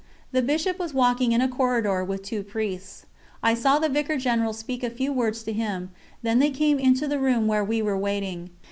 The Bishop was walking in a corridor with two Priests. I saw the Vicar General speak a few words to him, then they came into the room where we were waiting.